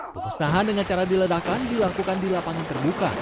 pemusnahan dengan cara diledakan dilakukan di lapangan terbuka